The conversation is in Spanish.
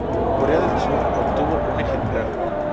Corea del Sur obtuvo un ejemplar.